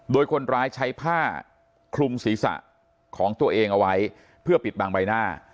โดยคนร้ายใช้ผ้าคลุมศีรษะของตัวเองเอาไว้เพื่อปิดบังใบหน้า